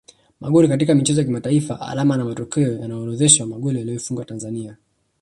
Magoli katika michezo ya kimataifa Alama na matokeo yanaorodhesha magoli aliyoifungia Tanzania